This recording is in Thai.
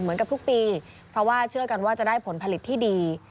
เหมือนกับทุกปีเพราะว่าเชื่อกันว่าจะได้ผลผลิตที่ดี